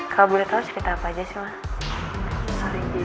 kalau boleh tau cerita apa aja sih ma